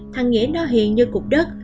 thằng nghĩa nó hiền như cục đất